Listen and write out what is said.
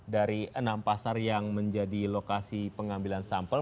dari enam pasar yang menjadi lokasi pengambilan sampel